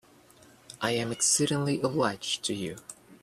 I am exceedingly obliged to you.